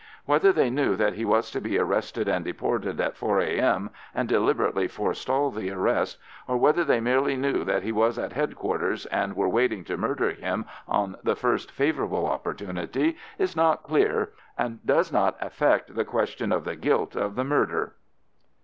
Whether they knew that he was to be arrested and deported at 4 A.M., and deliberately forestalled the arrest, or whether they merely knew that he was at headquarters, and were waiting to murder him on the first favourable opportunity, is not clear, and does not affect the question of the guilt of the murder.